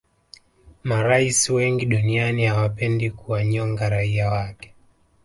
marais wengi duniani hawapendi kuwanyonga raia wake